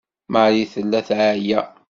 Marie tella teɛya.